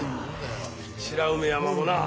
白梅山もな。